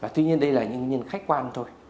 tuy nhiên đây là những nhân khách quan thôi